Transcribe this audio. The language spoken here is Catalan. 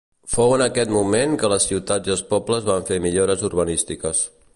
Fou en aquest moment que les ciutats i els pobles van fer millores urbanístiques.